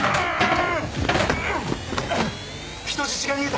人質が逃げた！